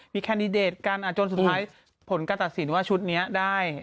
มีแคดดอทจนสุดสุดทลายผลก็ตัดสินว่าชุดนี้ได้